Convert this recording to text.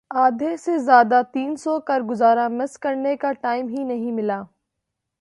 آدھے سے زیادہ دن سو کر گزارا مس کرنے کا ٹائم ہی نہیں ملا